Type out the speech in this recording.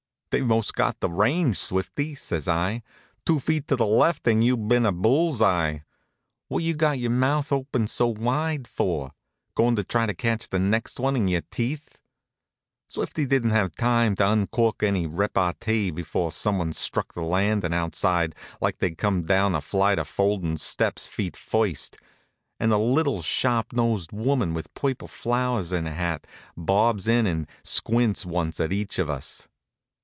"They've most got the range, Swifty," says I. "Two feet to the left and you'd been a bull's eye. What you got your mouth open so wide for? Goin' to try to catch the next one in your teeth?" Swifty didn't have time to uncork any repartee before someone struck the landing outside like they'd come down a flight of foldin' steps feet first, and a little, sharp nosed woman, with purple flowers in her hat, bobs in and squints once at each of us.